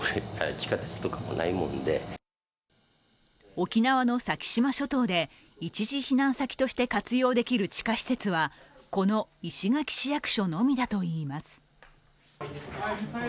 沖縄の先島諸島で一時避難先として活用できる地下施設は、この石垣市役所のみだといいます。